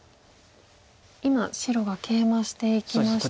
今白がケイマしていきました。